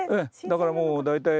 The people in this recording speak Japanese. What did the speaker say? だからもう大体。